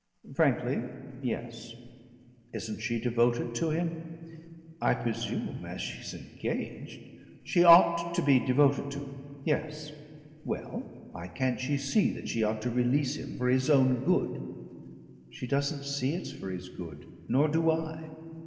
"Frankly yes." "Isn't she devoted to him?" "I presume as she's engaged " "She ought to be devoted to him yes. Well, why can't she see that she ought to release him for his own good?" "She doesn't see it's for his good. Nor do I."